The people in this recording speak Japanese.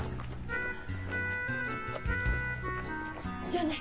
じゃあね。